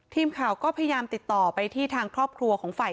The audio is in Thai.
ทีมข่าวก็พยายามติดต่อไปที่ทางครอบครัวของฝ่าย